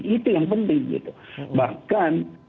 itu yang penting gitu bahkan